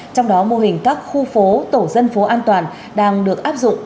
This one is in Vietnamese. trong đó mô hình các khu phố tổ dân phố an toàn đang được áp dụng